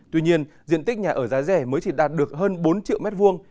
tuy nhiên diện tích nhà ở giá rẻ mới chỉ đạt được hơn bốn triệu m hai